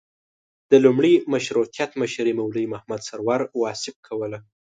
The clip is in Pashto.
د لومړي مشروطیت مشري مولوي محمد سرور واصف کوله.